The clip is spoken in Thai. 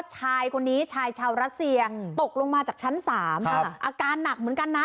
ชายคนนี้ชายชาวรัสเซียตกลงมาจากชั้น๓อาการหนักเหมือนกันนะ